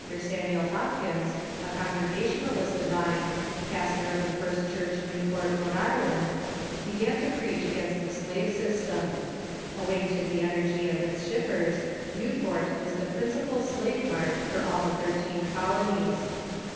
In 1770, Dr. Samuel Hopkins, a Congregationalist divine, pastor of the First Church, Newport, Rhode Island, began to preach against the slave s^'Stem. Owing to the energy of its ship pers, Newport was the principal slave mart for all the thirteen colonies.